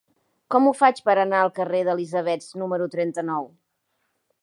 Com ho faig per anar al carrer d'Elisabets número trenta-nou?